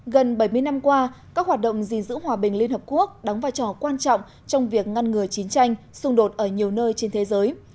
gần bảy mươi năm qua các hoạt động gìn giữ hòa bình liên hợp quốc đóng vai trò quan trọng trong việc ngăn ngừa chiến tranh xung đột ở nhiều nơi trên thế giới